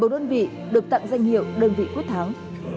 một mươi bốn đơn vị được tặng danh hiệu đơn vị quốc tháng